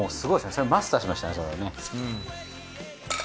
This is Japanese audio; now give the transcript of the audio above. それマスターしましたねそれね。